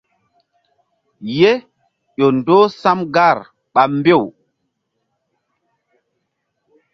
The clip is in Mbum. Ye ƴo ndoh sam gar ɓa mbew.